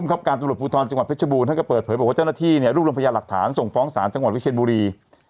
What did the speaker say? ครับการตำรวจภูทรจังหวัดเพชรบูรท่านก็เปิดเผยบอกว่าเจ้าหน้าที่เนี่ยรูปรวมพยาหลักฐานส่งฟ้องศาลจังหวัดวิเชียนบุรี